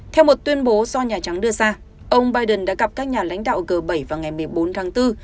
theo một tuyên bố do nhà trắng đưa ra ông biden đã gặp các nhà lãnh đạo g bảy vào ngày một mươi bốn tháng bốn